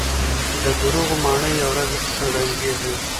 د دروغو ماڼۍ يوه ورځ ړنګېږي.